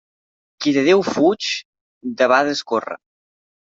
Qui de Déu fuig debades corre.